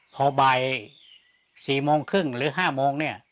พอบ่าย๔โมงครึ่งหรือ๕โมงเนี่ย